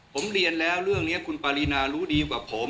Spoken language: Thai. ผมเรียนแล้วเรื่องนี้คุณปารีนารู้ดีกว่าผม